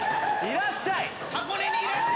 いらっしゃい！